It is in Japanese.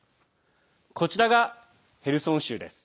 こちらがヘルソン州。